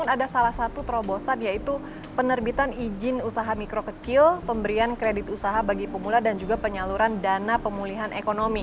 ada salah satu terobosan yaitu penerbitan izin usaha mikro kecil pemberian kredit usaha bagi pemula dan juga penyaluran dana pemulihan ekonomi